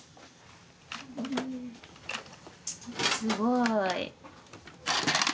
・すごい。